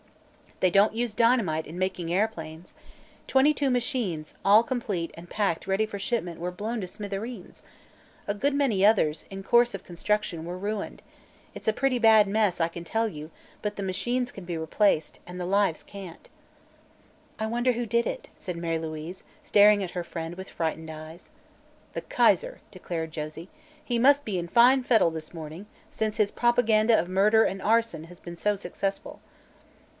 "They don't use dynamite in making airplanes. Twenty two machines, all complete and packed ready for shipment, were blown to smithereens. A good many others, in course of construction, were ruined. It's a pretty bad mess, I can tell you, but the machines can be replaced, and the lives can't." "I wonder who did it," said Mary Louise, staring at her friend with frightened eyes. "The Kaiser," declared Josie. "He must be in fine fettle this morning, since his propaganda of murder and arson has been so successful."